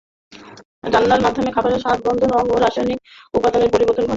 রান্নার মাধ্যমে খাবারের স্বাদ, রঙ, গন্ধ এবং রাসায়নিক উপাদানের পরিবর্তন ঘটে থাকে।